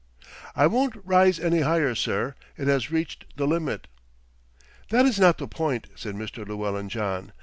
"It won't rise any higher, sir. It has reached the limit." "That is not the point," said Mr. Llewellyn John.